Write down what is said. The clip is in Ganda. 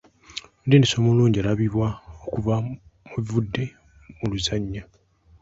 Omutendesi omulungi alabibwa okuva mu bivudde mu luzannya.